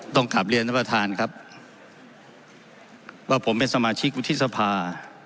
กลับเรียนท่านประธานครับว่าผมเป็นสมาชิกวุฒิสภา